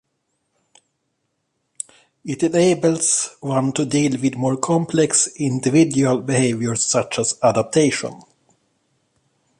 It enables one to deal with more complex individual behaviors, such as adaptation.